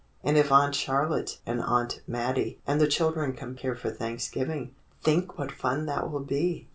And if Aunt Charlotte and Aunt Mattie and the children come here for Thanksgiving, think what fun that will be!"